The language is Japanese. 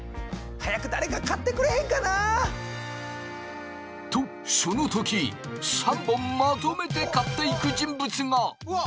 早く誰か買ってくれへんかな！とその時３本まとめて買っていく人物が！うわ！